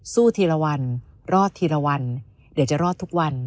ทีละวันรอดทีละวันเดี๋ยวจะรอดทุกวัน